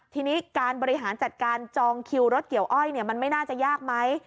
ทีนี้การบริหารจัดการจองคิวรถเกี่ยวอ้อยมันไม่น่าจะยากไหม